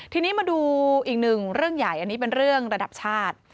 ทีนี้มาดูอีกหนึ่งเรื่องใหญ่อันนี้เป็นเรื่องระดับชาติ